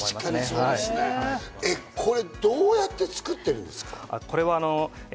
これ、どうやって作ってるんですか？